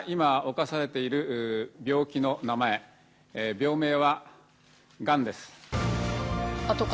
病名はがんです